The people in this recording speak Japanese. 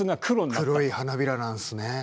「黒い花びら」なんですね。